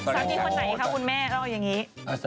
คนไหนคะคุณแม่เล่าอย่างนี้